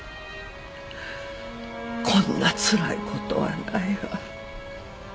こんなつらいことはないわ。